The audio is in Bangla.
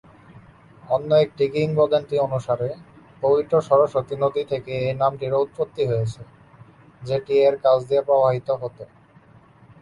অন্য একটি কিংবদন্তি অনুসারে, পবিত্র সরস্বতী নদী থেকে এই নামটির উৎপত্তি হয়েছে, যেটি এর কাছ দিয়ে প্রবাহিত হত।